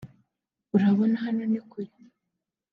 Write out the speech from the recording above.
urabona hano ni kure